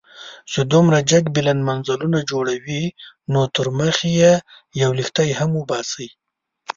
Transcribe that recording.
چې دومره جګ بلند منزلونه جوړوئ، نو تر مخ يې يو لښتی هم وباسئ.